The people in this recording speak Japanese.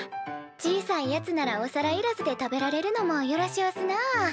小さいやつならお皿いらずで食べられるのもよろしおすなあ。